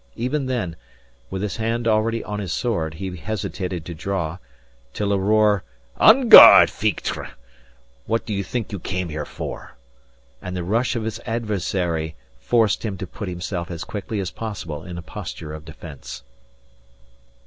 Even then, with his hand already on his sword, he hesitated to draw, till a roar "En garde, fichtre! What do you think you came here for?" and the rush of his adversary forced him to put himself as quickly as possible in a posture of defence.